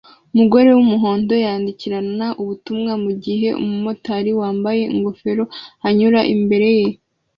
Umugore wumuhondo yandikirana ubutumwa mugihe umumotari wambaye ingofero anyura imbere ye